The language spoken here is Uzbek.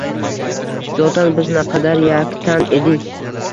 Zotan biz naqadar yaktan edik.